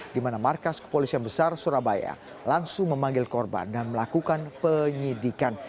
di mana markas kepolisian besar surabaya langsung memanggil korban dan melakukan penyidikan